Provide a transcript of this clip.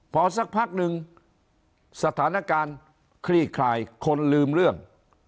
พอสักพักหนึ่งสถานการณ์คลี่คลายคนลืมเรื่อง